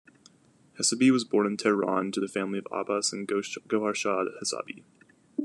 Hessaby was born in Tehran to the family of Abbas and Goharshad Hessabi.